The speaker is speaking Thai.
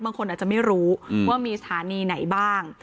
บางคนอาจจะไม่รู้ว่ามีสถานีไหนบ้าง